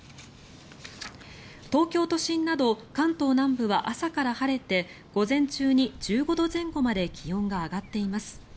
東京都心など関東南部は朝から晴れて午前中に１５度前後まで気温が上がっています。